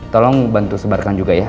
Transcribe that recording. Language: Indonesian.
tolong bantu sebarkan juga ya